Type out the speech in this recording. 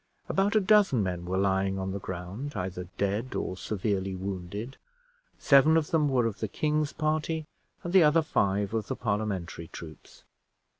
About a dozen men were lying on the ground, either dead or severely wounded: seven of them were of the king's party, and the other five of the Parliamentary troops.